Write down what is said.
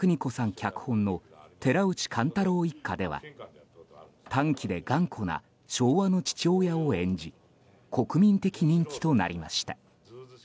脚本の「寺内貫太郎一家」では短気で頑固な昭和の父親を演じ国民的人気となりました。